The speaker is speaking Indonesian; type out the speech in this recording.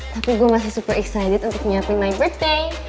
tapi gue masih super excited untuk nyiapin my birthday